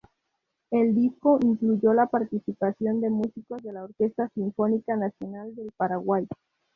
El disco incluyó la participación de músicos de la orquesta Sinfónica Nacional del Paraguay.